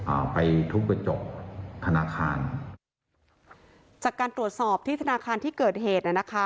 อ่าไปทุบกระจกธนาคารจากการตรวจสอบที่ธนาคารที่เกิดเหตุน่ะนะคะ